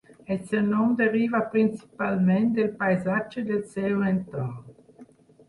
El seu nom deriva principalment del paisatge del seu entorn.